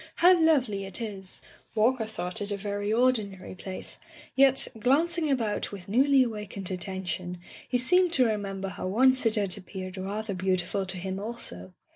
How lovely it is!" Walker thought it a very ordinary place, yet, glancing about with newly awakened at tention, he seemed to remember how once it had appeared rather beautiful to him also.